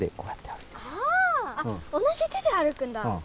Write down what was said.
あっ同じ手で歩くんだ。